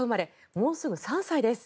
もうすぐ３歳です。